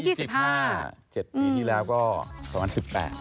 ๗ปีที่แล้วก็ประมาณ๑๘